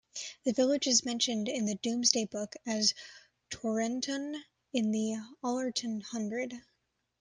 The village is mentioned in the "Domesday Book" as "Torentun" in the "Allerton hundred".